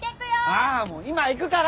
ああもう今行くから！